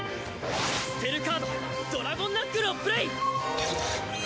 スペルカードドラゴンナックルをプレイ！